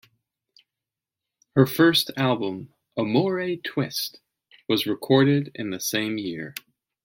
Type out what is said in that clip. Her first album "Amore Twist" was recorded in the same year.